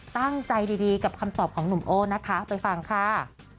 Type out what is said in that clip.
ตั้งใจดีกับคำตอบของหนุ่มโอ้นะคะไปฟังค่ะ